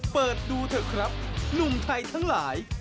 เปิดดูเถอะครับหนุ่มไทยทั้งหลาย